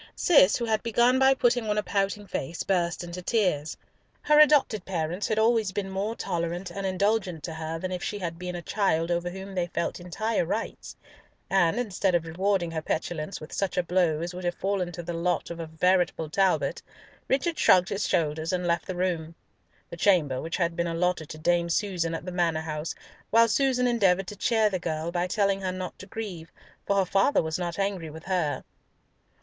Cis, who had begun by putting on a pouting face, burst into tears. Her adopted parents had always been more tolerant and indulgent to her than if she had been a child over whom they felt entire rights, and instead of rewarding her petulance with such a blow as would have fallen to the lot of a veritable Talbot, Richard shrugged his shoulders and left the room—the chamber which had been allotted to Dame Susan at the Manor house, while Susan endeavoured to cheer the girl by telling her not to grieve, for her father was not angry with her.